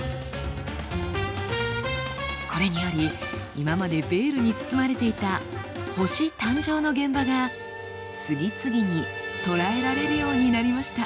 これにより今までベールに包まれていた星誕生の現場が次々に捉えられるようになりました。